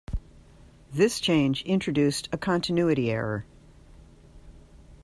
This change introduced a continuity error.